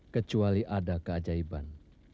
kecuali ada keajaiban